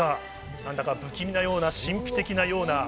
何だか不気味なような、神秘的なよな。